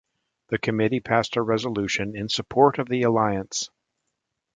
The committee passed a resolution in support of the alliance.